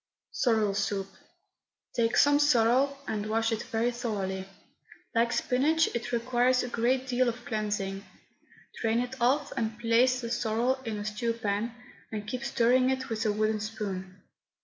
SORREL SOUP. Take some sorrel and wash it very thoroughly. Like spinach, it requires a great deal of cleansing. Drain it off and place the sorrel in a stew pan, and keep stirring it with a wooden spoon.